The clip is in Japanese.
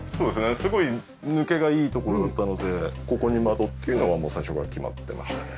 すごい抜けがいい所だったのでここに窓っていうのは最初から決まってましたね。